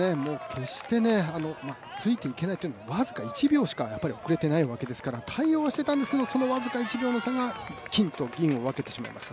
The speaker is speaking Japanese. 決してついていけないっていうのは僅か１秒しか、遅れていないわけですから、対応していたんですけれどもその僅か１秒の差が金と銀を分けてしまいました。